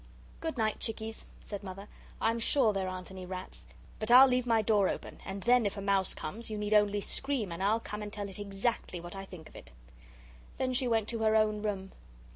"Good night, chickies," said Mother. "I'm sure there aren't any rats. But I'll leave my door open, and then if a mouse comes, you need only scream, and I'll come and tell it exactly what I think of it." Then she went to her own room.